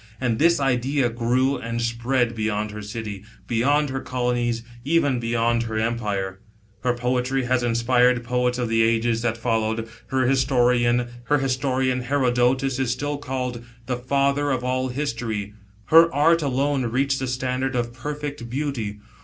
And this idea grew and spread beyond her city, beyond her colonies, even beyond her empire. Her poetry has inspired poets of the ages that followed ; her historian, Herodotus, is still called the " Father of all history"; her Art alone reached the standard of perfect beauty.